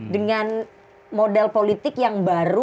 dengan model politik yang bagus